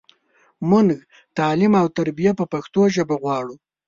مونږ تعلیم او تربیه په پښتو ژبه غواړو.